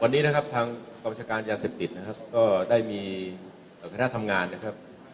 วันนี้นะครับทางกว่านะครับก็ได้มีคัณะทำงานนะครับ